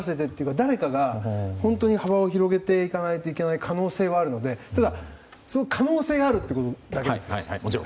誰かが本当に幅を広げていかないといけない可能性はあるのでただ、可能性があるってことだけです。